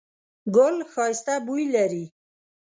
ګل ښایسته بوی لري